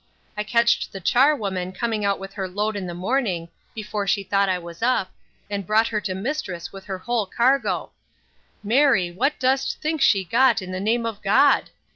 I ketched the chare woman going out with her load in the morning, before she thought I was up, and brought her to mistress with her whole cargo Marry, what do'st think she had got in the name of God?